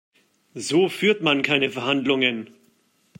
So führt man keine Verhandlungen.